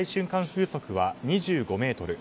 風速は２５メートル。